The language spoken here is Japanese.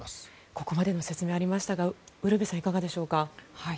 ここまでの説明ありましたがウルヴェさんいかがでしょうか。